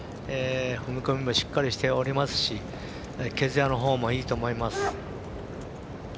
踏み込みもしっかりしておりますし毛づやのほうもいいと思います。